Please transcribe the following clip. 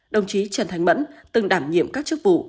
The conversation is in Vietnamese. đồng chí trần thanh mẫn từng đảm nhiệm các chức vụ